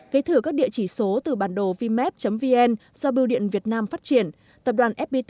gây thử các địa chỉ số từ bản đồ vmap vn do biêu điện việt nam phát triển